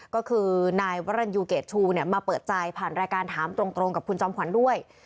ก็คือนายวรรณยูเกรดชูมาเปิดใจผ่านรายการถามตรงกับคุณจอมขวัญด้วย